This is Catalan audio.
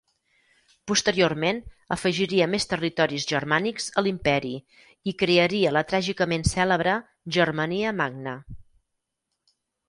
Posteriorment afegiria més territoris germànics a l'Imperi i crearia la tràgicament cèlebre Germania Magna.